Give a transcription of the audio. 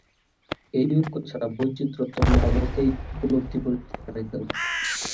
এই ঐক্য ছাড়া বৈচিত্র্য তোমরা মোটেই উপলব্ধি করিতে পারিতে না।